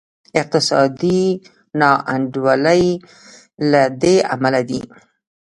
اقتصادي نا انډولي له دې امله ده.